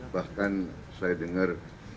bahkan saya dengar